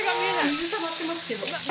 みずたまってますけど。